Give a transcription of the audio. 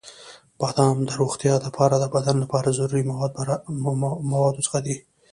• بادام د روغتیا لپاره د بدن له ضروري موادو څخه دی.